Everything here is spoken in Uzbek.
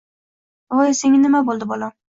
Voy, senga nima bo`ldi, bolam